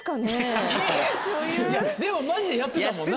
でもマジでやってたもんな。